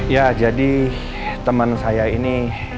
ya jadi teman saya ini